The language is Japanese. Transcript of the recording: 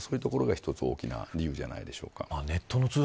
そういうところが一つ大きな理由じゃないでしょうか。